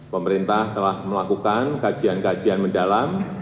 pemerintah telah melakukan kajian kajian mendalam